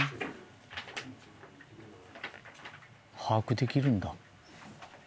把握できるんだ。